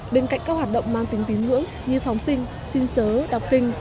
bên cạnh các hoạt động mang tính tín ngưỡng như phóng sinh xin sớ đọc kinh